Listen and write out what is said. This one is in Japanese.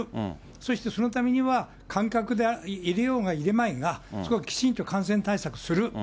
そしてそのためには、観客を入れようが入れまいが、そこはきちんと感染対策をする。